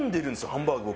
ハンバーグ僕